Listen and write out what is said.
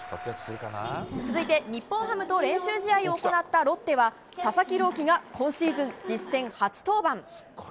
続いて、日本ハムと練習試合を行ったロッテは佐々木朗希が今シーズン実戦初登板。